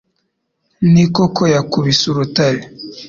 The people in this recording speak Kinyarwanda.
Ni koko yakubise urutare